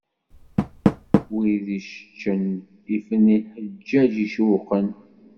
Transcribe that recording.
Wid icceččen ifen lḥeǧǧaǧ icewwqen.